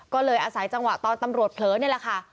ก็เลยอาศัยจังหวะตอนตำรวจเผลอนี่แหละค่ะ